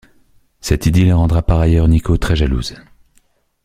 Cette idylle rendra par ailleurs Nico très jalouse.